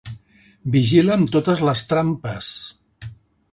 Vigila amb totes les trampes.